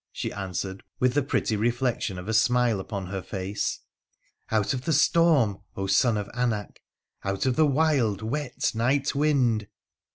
' she answered, with the pretty reflection of a smile upon her face. ' Out of the storm, son of Anak !— out of the wild, wet night wind